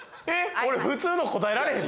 俺普通の答えられへんの？